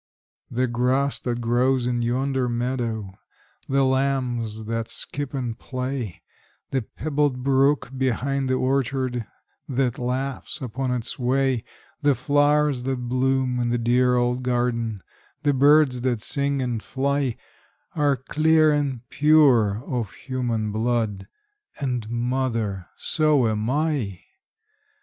The grass that grows in yonder meadow, the lambs that skip and play, The pebbled brook behind the orchard, that laughs upon its way, The flowers that bloom in the dear old garden, the birds that sing and fly, Are clear and pure of human blood, and, mother, so am I!